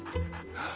ああ！